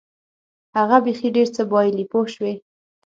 هغه بیخي ډېر څه بایلي پوه شوې!.